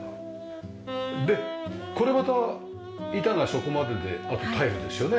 でこれまた板がそこまでであとタイルですよね？